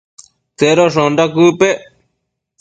Tsedoshonda quëc pec?